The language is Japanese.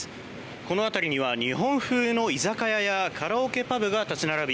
この辺りには日本風の居酒屋やカラオケパブが立ち並び